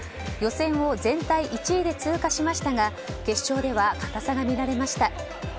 予選を全体１位で通過しましたが決勝では硬さが見られました。